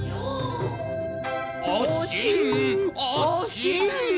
おしんおしん！